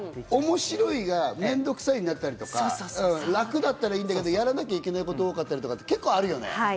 「面白い」が「面倒くさい」になったりとか、楽だったらいいけど、やらなきゃいけないことが多かったりとか、いろいろあるよね。